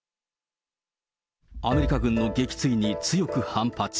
アメリカ軍の撃墜に強く反発。